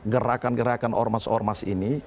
gerakan gerakan ormas ormas ini